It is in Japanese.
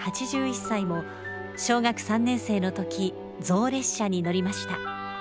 ８１歳も小学３年生のとき、象列車に乗りました。